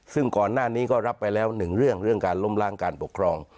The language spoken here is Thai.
ซึ่งก่อนหน้านี้ก็รับไปแล้วหนึ่งเรื่องเรื่องการล้มล้างการปกครอง